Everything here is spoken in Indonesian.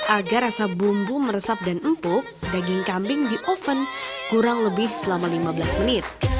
agar rasa bumbu meresap dan empuk daging kambing di oven kurang lebih selama lima belas menit